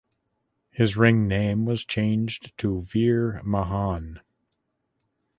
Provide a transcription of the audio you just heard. His ring name was changed to Veer Mahaan.